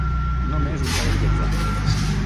Només un parell d’exemples.